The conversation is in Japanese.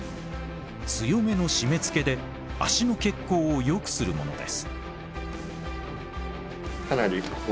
強めの締めつけで足の血行をよくするものです。